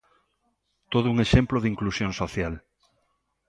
Todo un exemplo de inclusión social.